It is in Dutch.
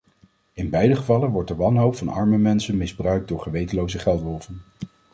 In beide gevallen wordt de wanhoop van arme mensen misbruikt door gewetenloze geldwolven.